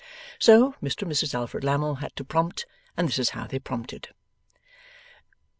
So, Mr and Mrs Alfred Lammle had to prompt, and this is how they prompted.